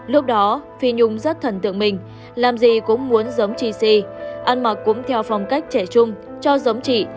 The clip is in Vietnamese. lúc đó phi nhung rất thần tượng mình làm gì cũng muốn giống chi si ăn mặc cũng theo phong cách trẻ trung cho giống chị